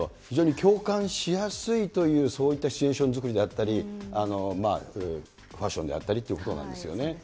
非常に共感しやすいという、そういったシチュエーション作りだったり、ファッションであったりということなんですね。